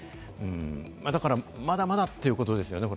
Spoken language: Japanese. だからまだまだってことですよね。